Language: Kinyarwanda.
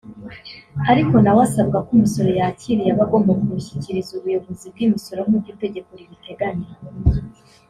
Ariko na we asabwa ko umusoro yakiriye aba agomba kuwushyikiriza ubuyobozi bw’imisoro nk’uko itegeko ribiteganya